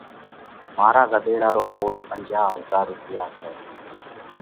مارا ڳۮيڙا رو مُول پنجاه هزار رُوپِيا سئہ۔